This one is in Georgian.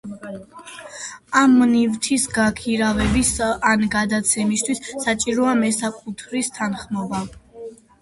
ამ ნივთის გაქირავების ან გადაცემისთვის საჭიროა მესაკუთრის თანხმობა.